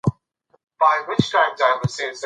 ایا دا ماشوم به د دې کور ویاړ وي؟